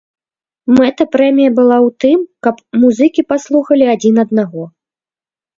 Мэта прэміі была ў тым, каб музыкі паслухалі адзін аднаго.